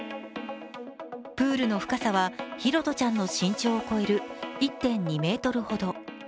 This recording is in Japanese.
プールの深さは拓杜ちゃんの身長を超える１．２ｍほど。